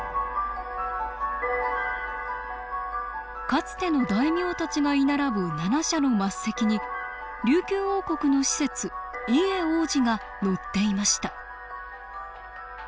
かつての大名たちが居並ぶ七車の末席に琉球王国の使節伊江王子が乗っていました